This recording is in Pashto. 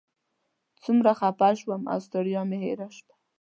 څومره خفه شوم او ستړیا مې هېره شوه.